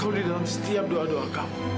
kalau di dalam setiap doa doa kamu